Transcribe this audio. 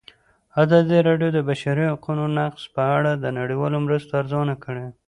ازادي راډیو د د بشري حقونو نقض په اړه د نړیوالو مرستو ارزونه کړې.